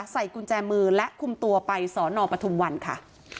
ใส่กุญแจมือและคุมตัวไปสอนอปทุมวันค่ะ